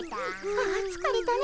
ああつかれたね。